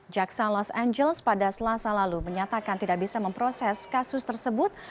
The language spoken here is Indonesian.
jaksa los angeles pada selasa lalu menyatakan tidak bisa memproses kasus tersebut